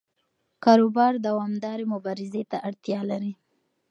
کاروبار دوامدارې مبارزې ته اړتیا لري.